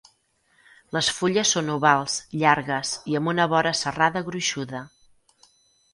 Les fulles són ovals, llargues, i amb una vora serrada gruixuda.